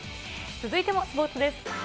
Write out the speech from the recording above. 続いてもスポーツです。